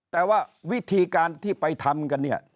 แต่ว่าวิธีการที่ไปทำกันเนี่ย